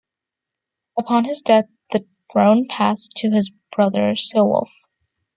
Upon his death the throne passed to his brother Ceolwulf.